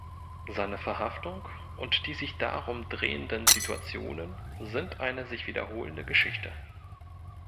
Seine Verhaftung und die sich darum drehenden Situationen sind eine sich wiederholende Geschichte.